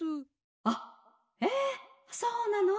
「あっえそうなの？